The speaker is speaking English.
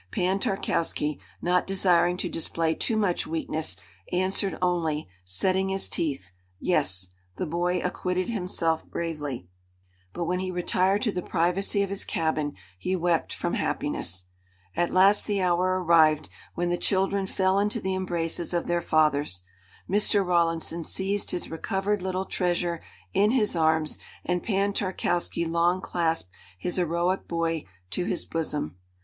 Pan Tarkowski, not desiring to display too much weakness, answered only, setting his teeth, "Yes! The boy acquitted himself bravely," but when he retired to the privacy of his cabin he wept from happiness. At last the hour arrived when the children fell into the embraces of their fathers. Mr. Rawlinson seized his recovered little treasure in his arms and Pan Tarkowski long clasped his heroic boy to his bosom.